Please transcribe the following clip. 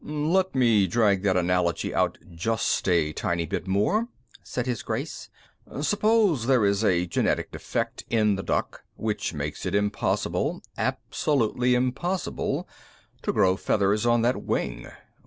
"Let me drag that analogy out just a tiny bit more," said His Grace. "Suppose there is a genetic defect in the duck which makes it impossible absolutely impossible to grow feathers on that wing.